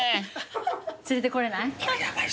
連れてこれない？